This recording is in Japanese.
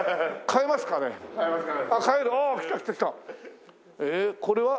えっこれは？